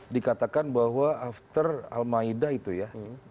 dikatakan bahwa after al ma'idah itu ya